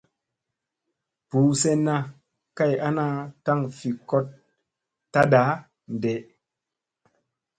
Buu senna kay ana taŋ fi koɗ taɗa ɗee.